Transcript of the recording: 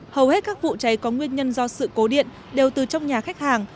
hầu hết các vụ cháy có nguyên nhân do sự cố điện đều từ trong nhà khách hàng